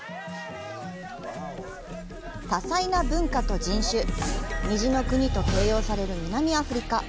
多彩な文化と人種、「虹の国」と形容される南アフリカ。